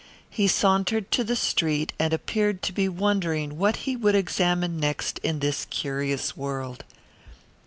He sauntered to the street and appeared to be wondering what he would examine next in this curious world.